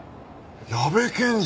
矢部検事！